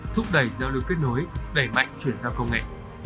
thúc đẩy giao lưu kết nối đẩy mạnh chuyển giao công nghệ